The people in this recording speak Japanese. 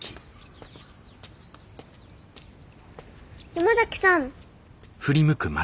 山崎さん。